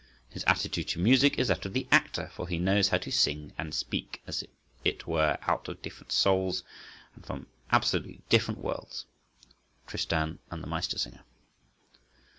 His attitude to music is that of the actor; for he knows how to sing and speak, as it were out of different souls and from absolutely different worlds (Tristan and the Meistersinger)."